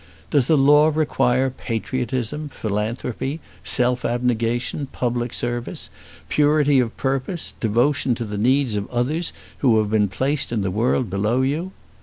Does the law require patriotism, philanthropy, self abnegation, public service, purity of purpose, devotion to the needs of others who have been placed in the world below you?